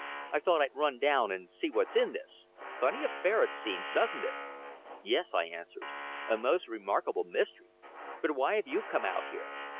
"I thought I'd run down and see what's in this. Funny affair it seems, doesn't it?" "Yes," I answered. "A most remarkable mystery. But why have you come out here?"